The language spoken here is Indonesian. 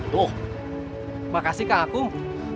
tuh makasih kang agung